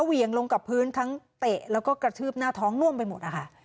เหวี่ยงลงกับพื้นทั้งเตะแล้วก็กระทืบหน้าท้องน่วมไปหมดนะคะ